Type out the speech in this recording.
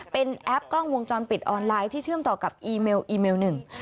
เป็นแอปกล้องวงจรปิดออนไลน์ที่เชื่อมต่อกับอีเมลอีเมลหนึ่ง